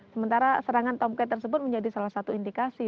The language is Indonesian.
sementara serangan tomket tersebut menjadi salah satu indikasi